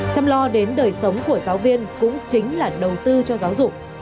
chăm lo đến đời sống của giáo viên cũng chính là đầu tư cho giáo dục